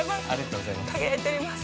◆輝いております。